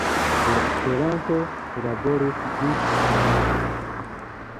Por Esperanto li laboris ĝis la morto.